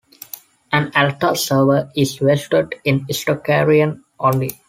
An altar server is vested in the sticharion only.